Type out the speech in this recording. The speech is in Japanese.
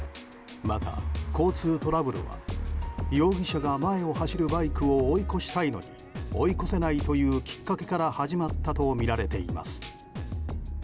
また交通トラブルは容疑者が前を走るバイクを追い越したいのに追い越せないというきっかけから始まったとみられています。